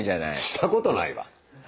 したことないわ。